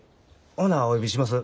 ほなお呼びします。